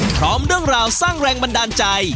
พร้อมเรื่องราวสร้างแรงบันดาลใจ